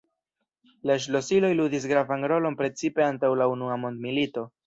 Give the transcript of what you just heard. La ŝlosiloj ludis gravan rolon precipe antaŭ la unua mondmilito.